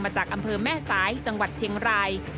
จากอำเภอแม่สายจังหวัดเชียงราย